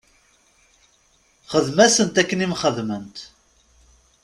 Xdem-asent akken i m-xedment.